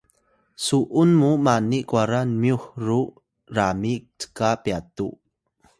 su’un mu mani kwara myux ru rami cka pyatu